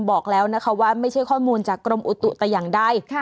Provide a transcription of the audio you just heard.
บอกแล้วนะคะว่าไม่ใช่ข้อมูลจากกรมอุตุแต่อย่างใด